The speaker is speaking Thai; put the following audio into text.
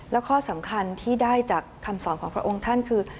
และข้อสำคัญที่ได้จากคำสอนของพระองค์ท่านคือ